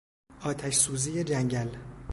آتش سوزی جنگل